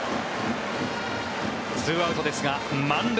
２アウトですが満塁。